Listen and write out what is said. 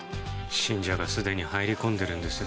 信者がすでに入り込んでいるんです。